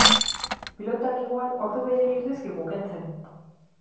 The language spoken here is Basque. Pilotak igual ordu gehiegi ez dizkigu kentzen.